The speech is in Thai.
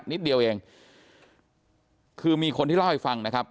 นิดเดียวเองคือมีคนที่เล่าให้ฟังนะครับ